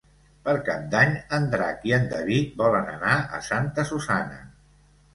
Per Cap d'Any en Drac i en David volen anar a Santa Susanna.